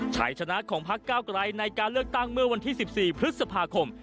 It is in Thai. ชัยชนะของพักเก้าไกลในการเลือกตั้งเมื่อวันที่๑๔พฤษภาคม